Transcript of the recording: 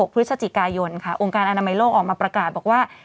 พฤศจิกายนค่ะองค์การอนามัยโลกออกมาประกาศบอกว่า